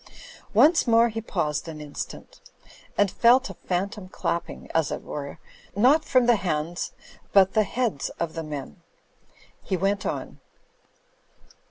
Once more he paused an instant; and felt a phan tom clapping, as it were, tiot from the hands but the heads of the men. He went on.